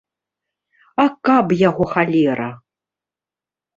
А каб яго халера.